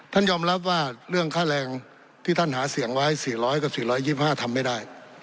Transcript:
ท่านยอมรับว่าเรื่องค่าแรงที่ท่านหาเสียงไว้๔๐๐กับ๔๒๕ทำไม่ได้